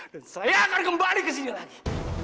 dan saya akan kembali ke sini lagi